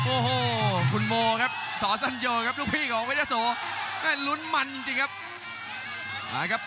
โอ้โหคุณโมครับสคลนมั่นจริงครับ